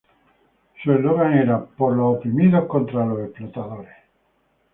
Su eslogan era: ""Por los oprimidos, contra los explotadores".